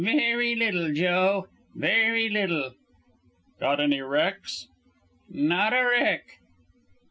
"Very little, Joe; very little." "Got any wrecks?" "Not a wreck."